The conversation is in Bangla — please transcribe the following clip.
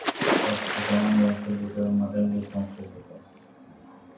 তার পিতা জার্মান বংশোদ্ভূত এবং মাতা ইংরেজ বংশোদ্ভূত।